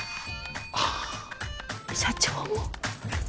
ああ社長も？